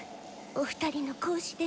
お二人の講師で。